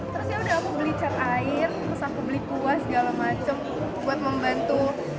terus yaudah aku beli cat air terus aku beli kuah segala macem buat membantu